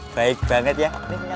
baik banget ya